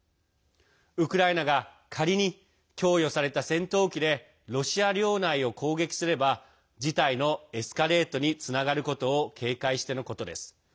ウクライナが仮に供与された戦闘機でロシア領内を攻撃すれば事態のエスカレートにつながることを警戒してのことです。